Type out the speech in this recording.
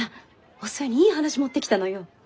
お寿恵にいい話持ってきたのよ。